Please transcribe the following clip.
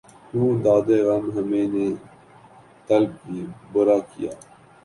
کیوں دادِ غم ہمیں نے طلب کی، بُرا کیا